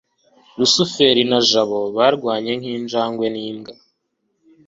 rusufero na jabo barwanye nk'injangwe n'imbwa